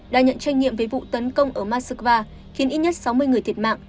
đã nhận tranh nghiệm với vụ tấn công ở moskva khiến ít nhất sáu mươi người thiệt mạng